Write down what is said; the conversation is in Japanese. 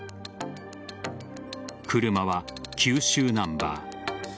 車は九州ナンバー。